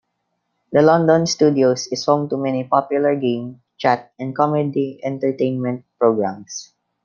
The London Studios is home to many popular game, chat and comedy entertainment programmes.